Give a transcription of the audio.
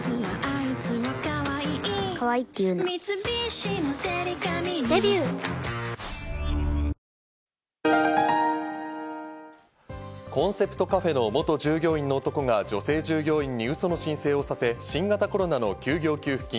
新「ＥＬＩＸＩＲ」コンセプトカフェの元従業員の男が女性従業員にウソの申請をさせ、新型コロナの休業給付金